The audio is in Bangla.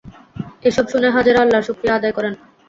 এসব শুনে হাজেরা আল্লাহর শুকরিয়া আদায় করেন।